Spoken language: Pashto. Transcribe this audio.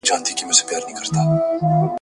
بلکې د ښځي د غلامۍ د اوږدې دورې